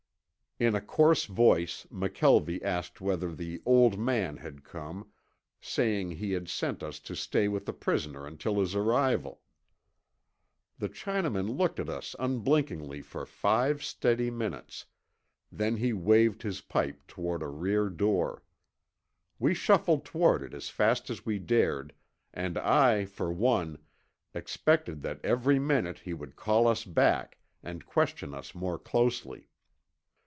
In a coarse voice McKelvie asked whether the "old man" had come, saying he had sent us to stay with the prisoner until his arrival. The Chinaman looked at us unblinkingly for five steady minutes, then he waved his pipe toward a rear door. We shuffled toward it as fast as we dared, and I for one, expected that every minute he would call us back and question us more closely.